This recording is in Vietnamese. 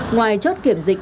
ngoài chốt kiểm dịch